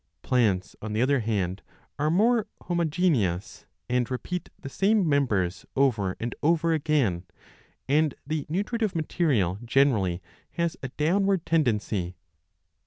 Plants, on the other hand, are more homogeneous and 15 repeat the same members over and over again, and the nutritive material generally has a downward tendency.